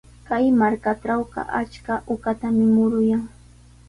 Kay markatrawqa achka uqatami muruyan.